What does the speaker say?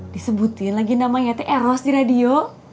disebutin lagi namanya itu eros di radio